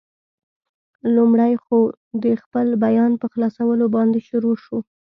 لومړی خو، د خپل بیان په خلاصولو باندې شروع شو.